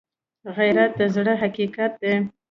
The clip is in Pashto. غیرت د زړه حقیقت دی